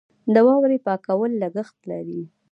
د واورې پاکول لګښت لري.